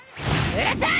うるさい！